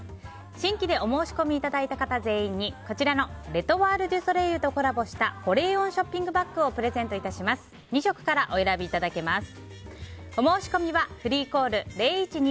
新規でお申し込みいただいた方全員に、こちらのレ・トワール・デュ・ソレイユとコラボした保冷温ショッピングバッグをプレゼント致します。